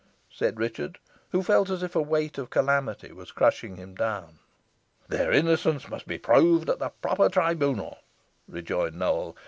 said Richard, who felt as if a weight of calamity was crushing him down. "Their innocence must be proved at the proper tribunal," rejoined Nowell.